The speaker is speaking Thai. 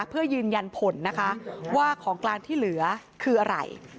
เพื่อยืนยันผลนะคะว่าของกลางที่เหลือคืออะไร